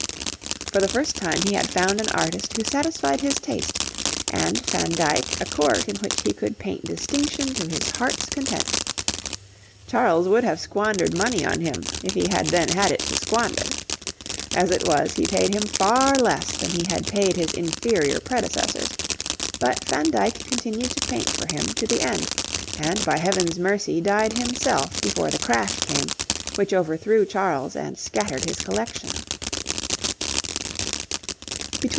For the first time he had found an artist who satisfied his taste, and Van Dyck a Court in which he could paint distinction to his heart's content. Charles would have squandered money on him if he had then had it to squander. As it was, he paid him far less than he had paid his inferior predecessors, but Van Dyck continued to paint for him to the end, and by Heaven's mercy died himself before the crash came, which overthrew Charles and scattered his collection.